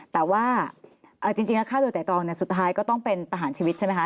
แต่ว่าจริงแล้วฆ่าโดยไตรตรองสุดท้ายก็ต้องเป็นประหารชีวิตใช่ไหมคะ